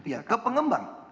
ya ke pengembang